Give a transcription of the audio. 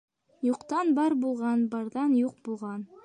Юҡтан бар булған, барҙан юҡ булған.